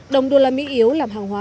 đồng usd yếu làm hàng hóa